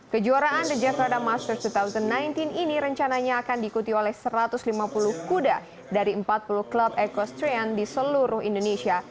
kejuaraan the jafrada masters dua ribu sembilan belas ini rencananya akan diikuti oleh satu ratus lima puluh kuda dari empat puluh klub ekostrian di seluruh indonesia